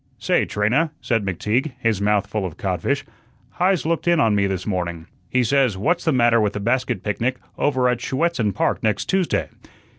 "Say, Trina," said McTeague, his mouth full of codfish, "Heise looked in on me this morning. He says 'What's the matter with a basket picnic over at Schuetzen Park next Tuesday?'